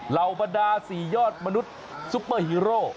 เล่าบันดาสี่ยอดมนุษย์ซูเปอร์ฮีโรค